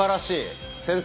先生